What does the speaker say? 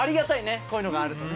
こういうのがあると。